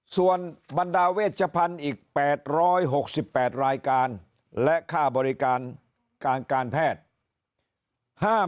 ส่วนบรรดาเวชพันธุ์อีก๘๖๘รายการและค่าบริการการแพทย์